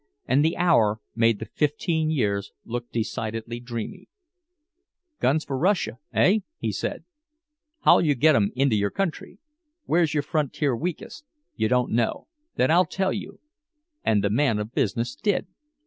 And the hour made the fifteen years look decidedly dreamy. "Guns for Russia, eh?" he said. "How'll you get 'em into your country? Where's your frontier weakest? You don't know? Then I'll tell you." And the man of business did.